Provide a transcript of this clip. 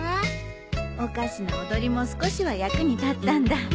おかしな踊りも少しは役に立ったんだ。